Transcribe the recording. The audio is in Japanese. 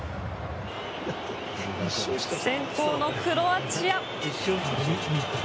先攻のクロアチア。